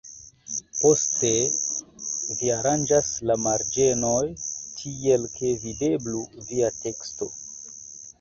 Poste vi aranĝas la marĝenojn tiel, ke videblu via teksto.